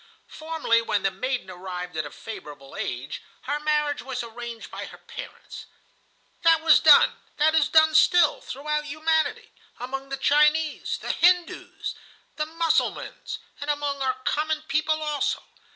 "Formerly, when the maiden arrived at a favorable age, her marriage was arranged by her parents. That was done, that is done still, throughout humanity, among the Chinese, the Hindoos, the Mussulmans, and among our common people also.